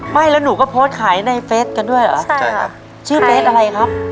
ไม่แล้วหนูก็โพสต์ขายในเฟสกันด้วยเหรอใช่ค่ะชื่อเฟสอะไรครับ